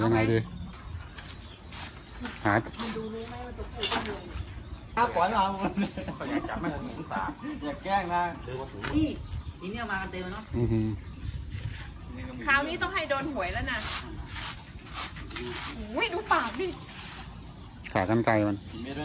อยากจับมันอยากแกล้งน่ะนี่อันนี้เอามากันเต็มเนอะอื้อหือ